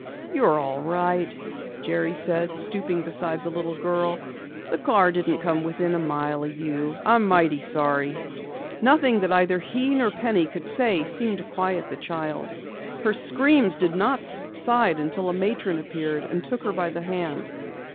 "You're all right," Jerry said, stooping beside the little girl. "The car didn't come within a mile of you. I'm mighty sorry." Nothing that either he nor Penny could say seemed to quiet the child. Her screams did not subside until a matron appeared and took her by the hand.